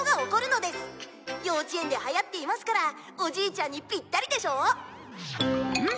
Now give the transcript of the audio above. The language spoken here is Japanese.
「幼稚園で流行っていますからおじいちゃんにピッタリでしょう」